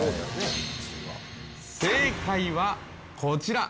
正解はこちら。